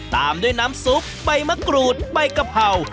ตามด้วยน้ำซุปใบมะกรูดใบกะเพรา